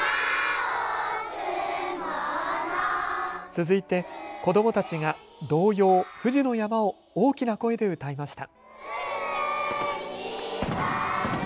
続いて、子どもたちが童謡ふじの山を大きな声で歌いました。